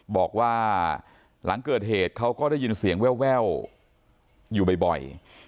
บอกว่าหลังเกิดเหตุเขาก็ได้ยินเสียงแววอยู่บ่อย